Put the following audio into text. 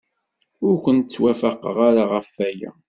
Ur ken-ttwafaqeɣ ara ɣef waya.